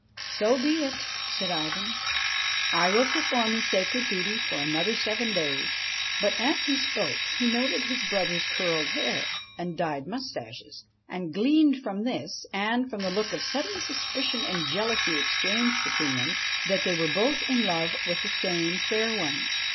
' So be it/ said Ivan ;' I will perform the sacred duty for another seven days.' But as he spoke, he noted his brothers' curled hair and dyed moustaches, and gleaned from this, and from the look of sudden suspicion and jealousy exchanged between them, that they were both in love with the same fair one.